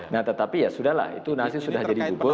nah tetapi ya sudah lah itu nasi sudah jadi bubur